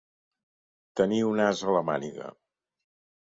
Tenir un as a la màniga.